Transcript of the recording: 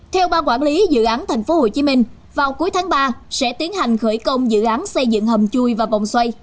theo ban quản lý dự án tp hcm vào cuối tháng ba sẽ tiến hành khởi công dự án xây dựng hầm chui và vòng xoay